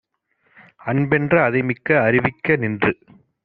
அன்பென்ற அதைமிக்க அறிவிக்க நின்று